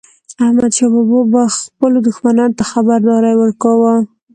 احمدشاه بابا به خپلو دښمنانو ته خبرداری ورکاوه.